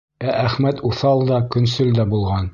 Ә Әхмәт уҫал да, көнсөл дә булған.